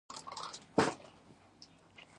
ماشوم په چینه کې د کبانو شمېرلو کې بوخت وو.